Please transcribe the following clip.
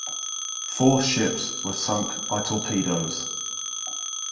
Four ships were sunk by torpedoes.